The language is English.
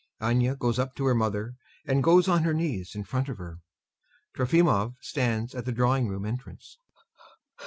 ANYA goes up to her mother and goes on her knees in front of her. TROFIMOV stands at the drawing room entrance.